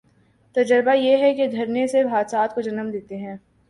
تجربہ یہ ہے کہ دھرنے صرف حادثات کو جنم دیتے ہیں۔